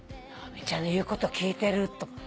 直美ちゃんの言うこと聞いてると思って。